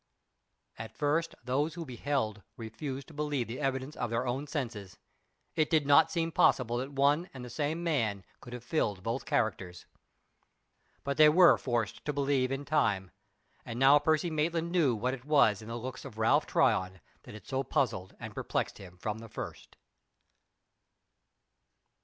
At first those who beheld refused to believe the evidence of their own senses. It did not seem possible that one and the same man could have filled both characters. But they were forced to believe in time. And now Percy Maitland knew what it was in the looks of Ralph Tryon that had so puzzled and perplexed him from the first.